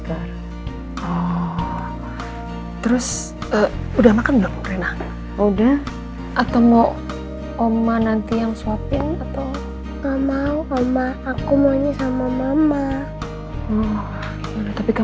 baulah ya beli istri sistemnya ke pecah